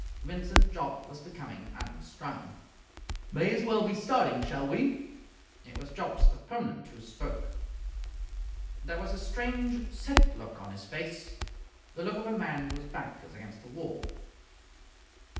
Vincent Jopp was becoming unstrung. "May as well be starting, shall we?" It was Jopp's opponent who spoke. There was a strange, set look on his face the look of a man whose back is against the wall.